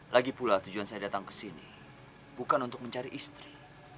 lagi pula tujuan saya datang ke sini bukan untuk mencari istri